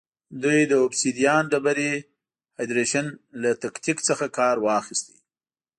دوی د اوبسیدیان ډبرې هایدرېشن له تکتیک څخه کار واخیست